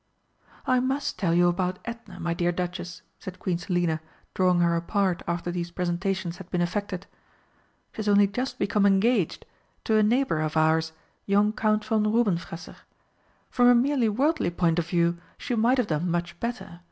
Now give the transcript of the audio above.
"I must tell you about Edna, my dear Duchess," said Queen Selina, drawing her apart after these presentations had been effected. "She has only just become engaged to a neighbour of ours, young Count von Rubenfresser. From a merely worldly point of view she might have done much better.